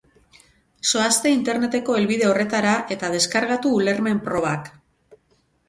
Zoazte Interneteko helbide horretara eta deskargatu ulermen-probak.